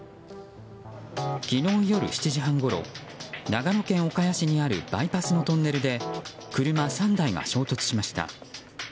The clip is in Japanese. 昨日夜７時半ごろ長野県岡谷市にあるバイパスのトンネルで車３台が衝突しました。